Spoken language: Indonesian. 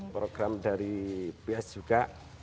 program dari ps juga